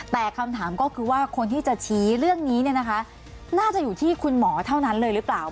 แต่คำถามก็คือว่าคนที่จะชี้เรื่องนี้เนี่ยนะคะน่าจะอยู่ที่คุณหมอเท่านั้นเลยหรือเปล่า